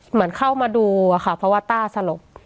เหมือนเข้ามาดูอะค่ะเพราะว่าต้าสลบ